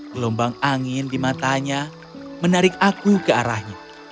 gelombang angin di matanya menarik aku ke arahnya